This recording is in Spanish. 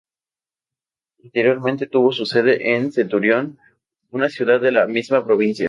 Anteriormente tuvo su sede en Centurion, una ciudad de la misma provincia.